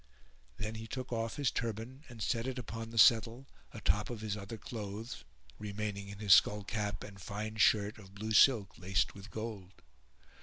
Then he took off his turband and set it upon the settle [FN#426] atop of his other clothes, remaining in his skull cap and fine shirt of blue silk laced with gold.